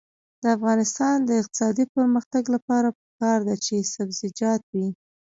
د افغانستان د اقتصادي پرمختګ لپاره پکار ده چې سبزیجات وي.